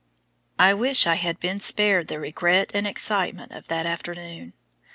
I wish I had been spared the regret and excitement of that afternoon.